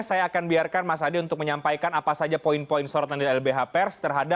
saya akan biarkan mas hadi untuk menyampaikan apa saja poin poin sorotan di lbh pers terhadap pasal pasal pendapatnya